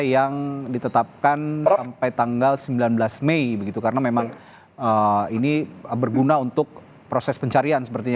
yang ditetapkan sampai tanggal sembilan belas mei begitu karena memang ini berguna untuk proses pencarian sepertinya